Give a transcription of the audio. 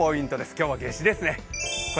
今日は夏至ですね。